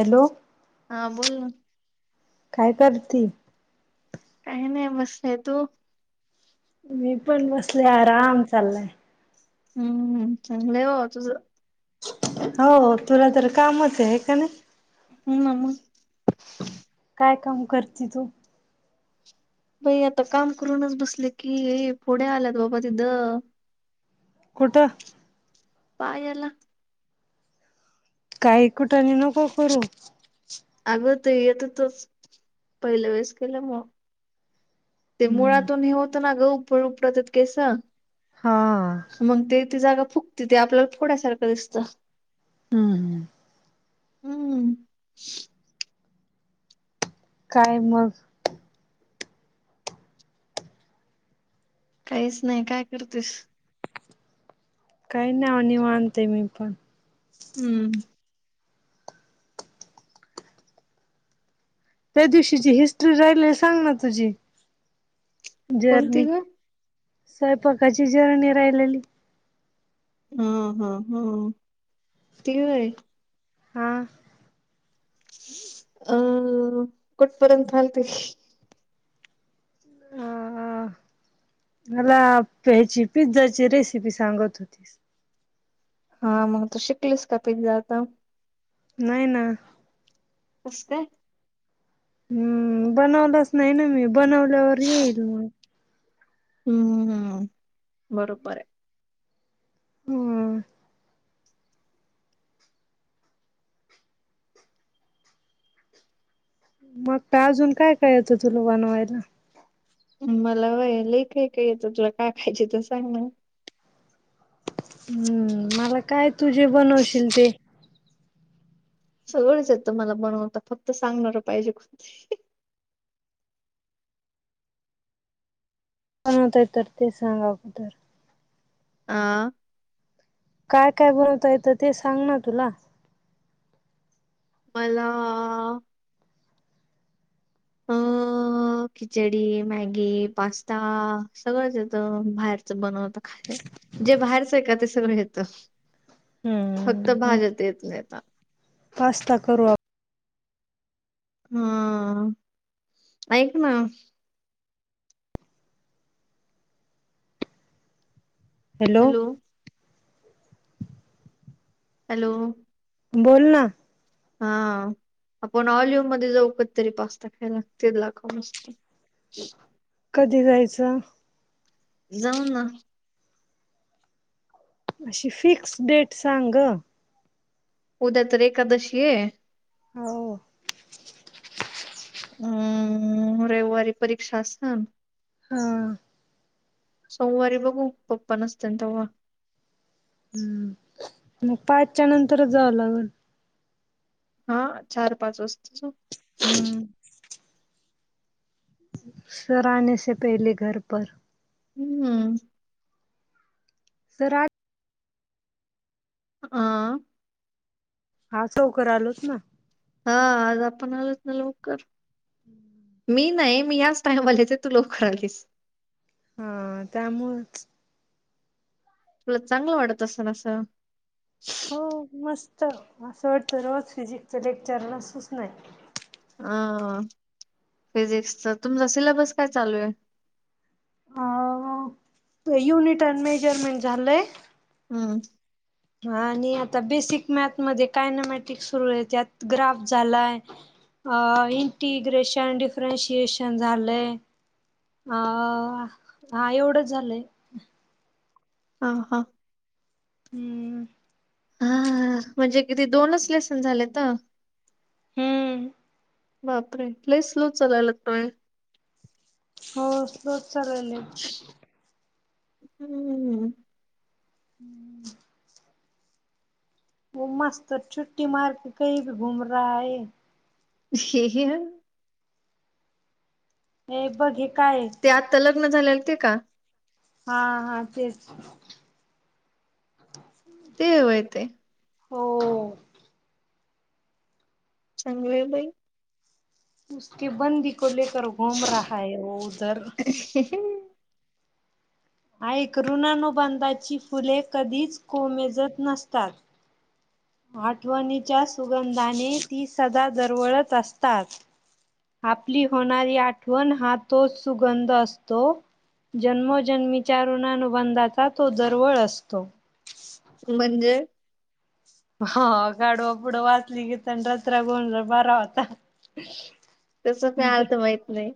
Hello हा बोल ना काय करती काही नाहो बसले तू मी पण बसले आराम चाललाय हम्म चांगलं आहे हो तुझ हो तुला तर कामच आहे का नाही हम काय काम करते तू बाई आता काम करूनच बसले की पुढे आल्यात बाबा तिथं कुठ पायला काही कुठाने नको करू. अगं ते येतं तोच पहिल्या वेळेस केलं मग. ते हम्म. मुळातून हे होतं ना ग फ उपडतात केस. हा हा मग ते ती जागा फुकते ते आपल्याला थोड्यासारखं दिसतं हम्म. हम्म काय मग काहीच नाही काय करतेस? काही नाही आ निवांत आहे मी पण हम्म हम्म त्या दिवशीची हिस्ट्री राहिलेली सांग ना तुझी कोणती जर्नी? ग स्वयंपाकाची जर्णी राहिलेली. हा हा हा ती व्हय. हां अं कुठपर्यंत आलती. अ मला ह्याची पिझ्झाची रेसिपी सांगत होतीस. हा मग त शिकलीस का पिझ्झा आता. नाही ना नस का [unintelligible] हम्म बनवलाच नाही ना मी बनवल्यावर येईल मग हम्म हम्म बरोबर आहे. हम्म मग काय अजून काय काय येतं तुला बनवायला? मला व्हय लय कायकाय येत तुला काय खायच तर सांग हम्म मला काय तुझे बनवशील ते. सगवळच येत मला बणवता फक्त सांगणार पाहिजे कोणतरी. [unintelligible] तर ते सांगागतर आं काय काय बनवता येतं ते सांग ना तुला? मला..? ऊ खिचडी मॅगी पास्ता सगळंच येतं बाहेरच बनव जे बाहेरच आहे का ते सगळं येत. फक्त हम्म भाज्यात येत नाही मला. पास्ता करू आपण. हा ऐक ना. हॅलो! हॅलो! बोल ना. हा आपण ऑल्यव मध्ये जाऊ काधतरी पास्ता खायला लागते ला का मस्त. ह [inaudible] कधी जायचं. जाऊ ना. अशी फिक्स् डेट सांग ग. उद्या तर एकादशी ये. हाव. हम्म रविवारी परीक्षा असल हम्म. सोमवारी बघू पप्पा नसतील तेव्हा हम्म मग पाचच्या नंतरच जावं लागल. हा चार पाच वाजताच हम्म. सर आनेसे पहिले घर पर हम्म. सर आ आह आज लवकर आलोच ना. हा आज आपण आलोच ना लवकर. मी नाही मी याच टाइम येते, तू लवकर आलीस. हा त्यामुळच तुला चांगलं वाटत असल असं हो मस्त असं वाटतं वाटत रोज फिजिक्सच्या लेक्चर असुच नये हां हां फिजिक्सचा तुमचा सिलेबस काय चालू आहे? आहो युनिट एंड मेजरमेंट झालंय. हम्म. हा आणि आता बेसिक मॅथ मध्ये कायनमॅटिक सुरू आहे त्यात ग्राफ झालाय. अह इंटिग्रेशन डिफरेन्शिएशन झालय. अह हां एवढंच झालंय. हा हा. हम्म. हा म्हणजे किती दोनच लेसन झालेत. हम्म बापरे लईच स्लो चालाललात पण. हो स्लोच चालले. हम्म. हम्म वो मास्तर छूट्टी मारके कही भी घुम रहा है हे हील हे बघी काय आहे. ते आत्ता लग्न झालेल ते का हा हा तेच. ते व्हय ते हो. चांगलंय बाई. उसकी बंदी को लेकर घुम रहा है वो उधर. ऐक ऋणानुबंधाची फुले कधीच कोमेजत नसतात. आठवणीच्या सुगंधाने ती सदा दरवळत असतात. आपली होणारी आठवण हा तोच सुगंध असतो. जन्मोजन्मीच्या रुणानुबंधाचा तो दरवळ असतो. म्हणजे? ह गाढवापुढं वाचली गीता आणि रात्रीचा गोंधळ बरा होता. तेच काय अर्थ माहीत नाही.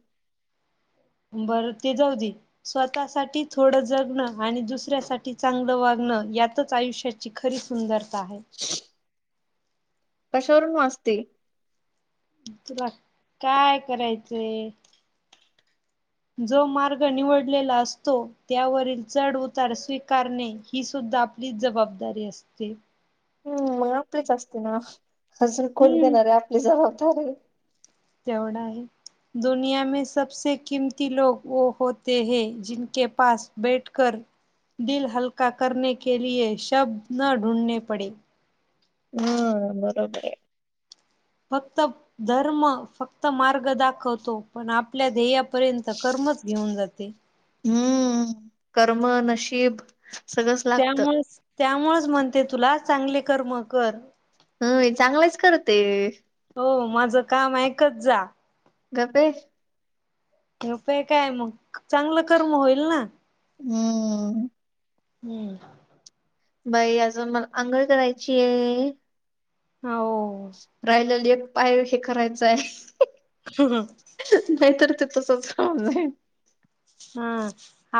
बरं. ते जाऊ दे. स्वतः साठी थोड जगणं. आणि दुसऱ्यासाठी चांगलं वागणं यातच आयुष्य ची खरी सुंदरता आहे. [unintelligible] कशावरून वाचते. तुला काय करायचंय? जो मार्ग निवडलेला असतो. त्यावरील चढ उतार स्वीकारणे. ही सुद्धा आपली जबाबदारी असते. हम. आपलीच असती ना. अजून कोण हम्म. घेणार आहे आपली जबाबदारी. तेवढं आहे. दुनिया मे सबसे किमती लोग वो होते है जिनके पास बैठकर दिल हलका करणे के लिये शब्द न ढूढणे पडे. हम्म. बरोबर आहे. फक्त धर्म फक्त मार्ग दाखवत. पण आपल ध्येय पर्यंत कर्मच घेऊन जाते. हम्म. कर्म, नशीब, सगळंच लागत त्यामुळेच त्यामुळेच म्हणते तुला चांगले कर्म कर. होय. चांगलेच करते. हो. माझं काम ऐकत जा. गप ये. रुपे काय मग चांगलं कर्म होईल ना. हम्. हम्म. बाई अजून मला आंघोळ करायचीये. हो. राहिलेले एक पाय असे घरात जाय. पुरा. नाहीतर ते तसच राहून जाईल. हम्म.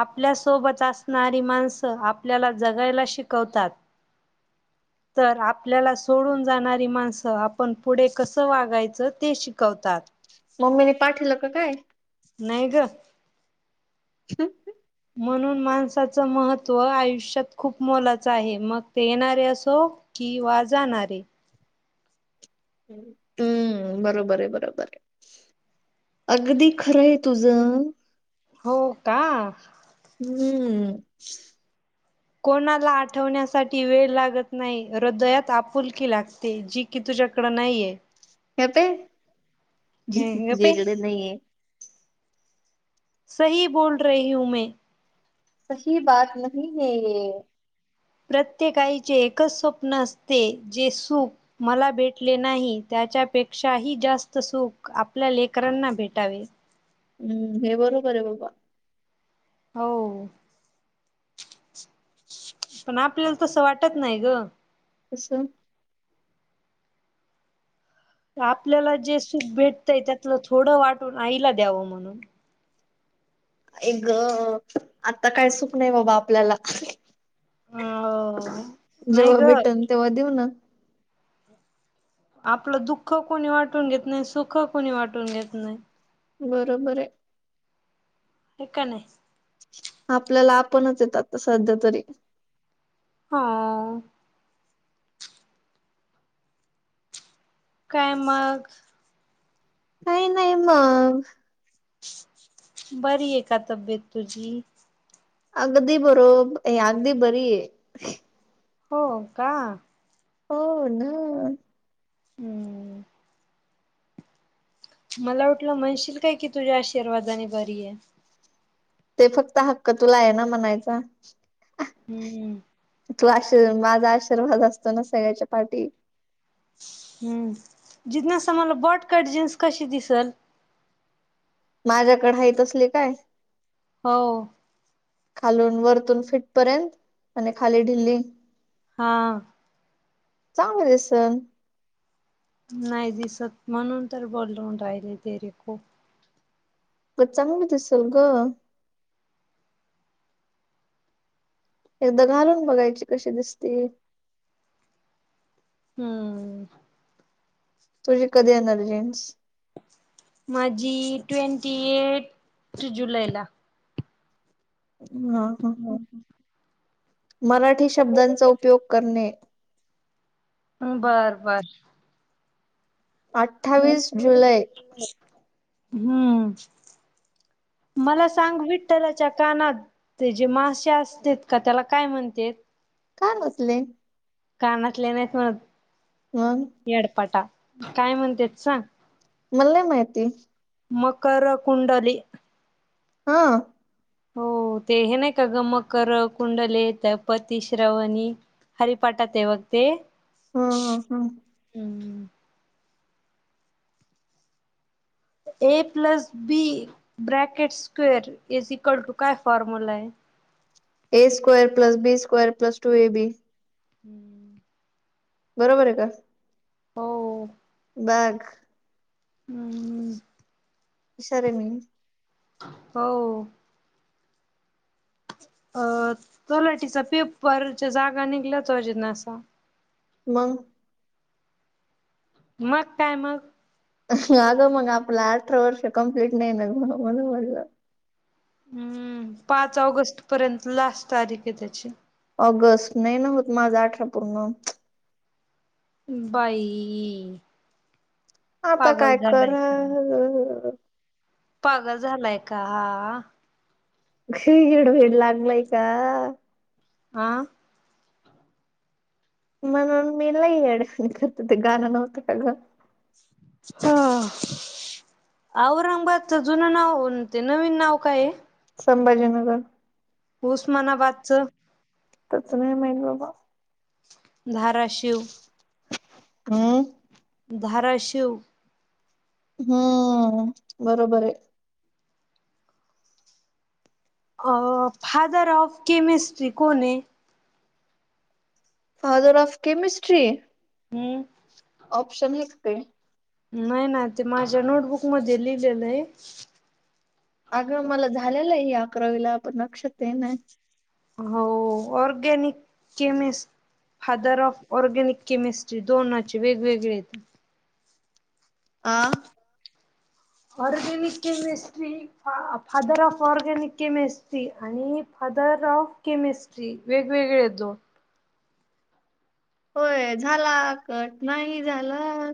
आपल्यासोबत असणारी माणसं आपल्याला जगायला शिकवतात. [inaudible] तर आपल्याला सोडून जाणारी माणसं. आपण पुढे कसं वागायचं ते शिकवतात. मम्मीने पाठवलं का काय? नाही ग. [unintelligible] म्हणून माणसाचं महत् त्व आयुष्यात खूप मोलाचा आहे. मग ते येणारे असो किंवा जाणारे. हम्म. बरोबर आहे. बरोबर आहे. अगदी खरं आहे तुझ. ज हो का, हम्म. कोणाला आठवण्यासाठी वेळ लागत नाही. हृदयात आपुलकी लागते. जी, कि तुझ्याकडं नाहीये. हे पाय हम्म गप्प झ्या ये कडे नाहीये, सही बोल रही हु मै, सही बाात नाही है ये, प्रत्येक आईचे एकच स्वप्न असते जे सुख, मला भेटले नाही त्याच्यापेक्षाही जास्त सुूख आपल्या लेकरांना भेटावे, हम्म हे बरोबर आहे बाबा, हो, पण आपल्याला तस वाटत नाही ग, कस आपल्याला जे सुप भेटतंय त्यातलं थोडं वाटून आईला द्यावं म्हणून, आए ग आता काय सुक नाही बाबा आपल्याला, अ नाही जेव्हा ग भेटन तेव्हा देऊ ना, आपलं दुःख कोणी वाटून घेत नाही सुख कोणी वाटून घेत नाही. बरोबर ऐ. हो का नाही? आपल्याला आपणच येत आता सध्या तरी हाहाहा काय मग अरे नाही मग बरी ऐ का तब्येत तुझी अगदी बरो ए अगदी बरी ऐ. हो का? हो न हूहू मला वाटलं म्हणशील काय कि तुझ्या आशीर्वादाने बरी ऐ ते फक्त हक्क तुला आहे ना म्हणायचा. हूहू तू आशी माझ्या आशीर्वाद असतो ना सगळ्याच्या पाठीशी. हम्म जिजनास मला बॉटकट जीन्स कशी दिसेल? माझ्याकडे हाय तसली काय? हो खालून वरतून फिट पर्यंत आणि खाली ढिली. हाहा चांगली दिसल. नाही दिसत म्हणून तर बोलून राहिले ते रे खूप मग चांगली दिसेल ग एकदा घालून बघायची कशी दिसते. हम्म तुझी कधी येणार जीन्स. माझी टै़वटी ऐट टु जुलै ला. ह ह ह हो. मराठी शब्दांचा उपयोग करणे. बर बर अठ्ठावीस जुलै. हम्म मला सांग विठ्ठलाच्या कानात ते जे मासे असत्यात का त्याला काय म्हणतेत काय मचले काय मचले नाहीत म्हणत मग येडपाटा काय म्हणत्यात सांग मला नाही माहिती मकर कुंडली हा हो ते हे नाही का ग मकर कुंडले येत पतीश्रवणी हरी पाठात हाय बघ ते हू हू हू [inaudible] ए plus B bracket square is equal to काय फॉर्म्युला हाय A square plus B square plus two A बी [inaudible] बरोबर हाय का हो बघ हू हू हुशार हाय मी हो अ तलाठीचा पेपरच्या जागा निघल्याच जे नासा मग मग काय मग अगं मग आपलं अठरा वर्ष कम्प्लीट नाही ना म्हणून म्हटलं हू पाच ऑगस्ट पर्यंत लास्ट तारीख हाय त्याची ऑगस्ट नाही ना होत माझं अठरा पूर्ण बाई आता पागल काय झालाय कर का? पागल झालाय का येड बेड लागलय का हा म्हणून मी लय येड्यासारख ते गाणं नव्हतं का ग अ औरंगाबादच जुन नाव ते नवीन नाव काय ये संभाजीनगर उस्मानाबादचं त्याच नाही माहीत बाबा धाराशिव हू धाराशिव हू बरोबरये अ फादर ऑफ केमिस्ट्री कोणये father of chemistry who option हाइत काय नाही ना ते माझ्या नोटबुक मध्ये लिहलेले ये. अग मला झालेला आहे अकरावीला पण लक्षात ये ना. हो organic chemist father of organic chemistry दोनाची वेगवेगळे येत. आं..? Organic chemistry. Father of organic chemistry आणि फादर ऑफ केमिस्ट्री वेगवेगळे येत. होय झाला कट नाही झाला.